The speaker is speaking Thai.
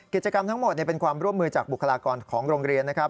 กิจกรรมทั้งหมดเป็นความร่วมมือจากบุคลากรของโรงเรียนนะครับ